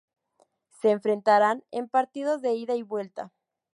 Se enfrentarán en partidos de ida y vuelta.